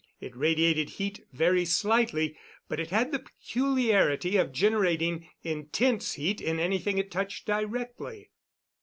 It radiated heat very slightly, but it had the peculiarity of generating intense heat in anything it touched directly.